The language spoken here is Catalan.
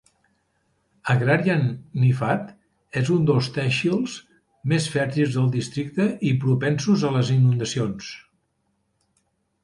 Agrarian Niphad és un dels tehsils més fèrtils del districte i propensos a les inundacions.